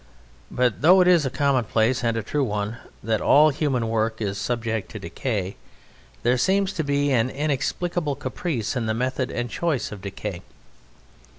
But though it is a commonplace, and a true one, that all human work is subject to decay, there seems to be an inexplicable caprice in the method and choice of decay.